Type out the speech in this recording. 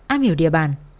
am hiểu địa bàn